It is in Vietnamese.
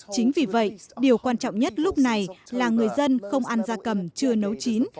chính vì vậy điều quan trọng nhất lúc này là người dân không ăn da cầm chưa nấu chín